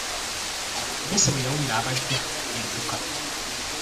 Emmese bwe yawulira abajja n’edduka.